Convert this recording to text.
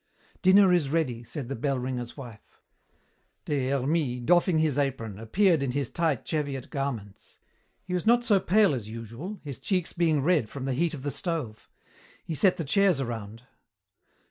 "Dinner is ready," said the bell ringer's wife. Des Hermies, doffing his apron, appeared in his tight cheviot garments. He was not so pale as usual, his cheeks being red from the heat of the stove. He set the chairs around.